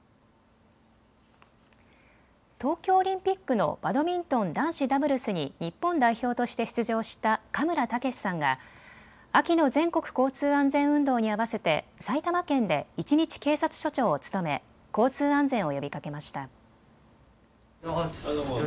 東京オリンピックのバドミントン男子ダブルスに日本代表として出場した嘉村健士さんが秋の全国交通安全運動に合わせて埼玉県で一日警察署長を務め交通安全を呼びかけました。